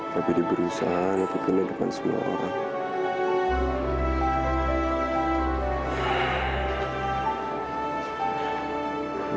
tapi diberusahaan itu kini bukan semua orang